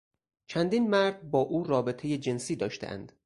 چندین مرد با او رابطهی جنسی داشتهاند.